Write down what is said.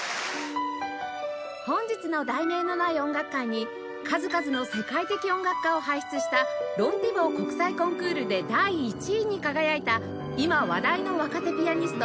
本日の『題名のない音楽会』に数々の世界的音楽家を輩出したロン＝ティボー国際コンクールで第１位に輝いた今話題の若手ピアニスト